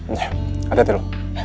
nih adet dulu